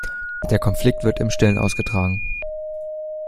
Der Konflikt wird im Stillen ausgetragen.